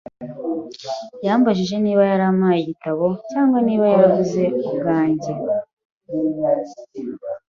Yambajije niba yarampaye igitabo, cyangwa niba naraguze ubwanjye.